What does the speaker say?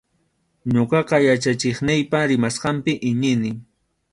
Ñuqaqa yachachiqniypa rimasqanpi iñini.